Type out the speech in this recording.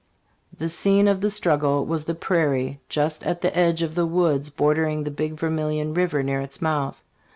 The scene of the struggle was the prairie just at the edge of the woods bordering the Big Vermilion river near its mouth.